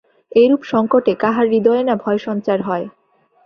এইরূপ সঙ্কটে কাহার হৃদয়ে না ভয়সঞ্চার হয়।